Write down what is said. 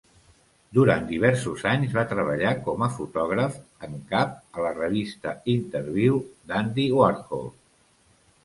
Durant diversos anys, va treballar com a fotògraf en cap a la revista Interview d'Andy Warhol.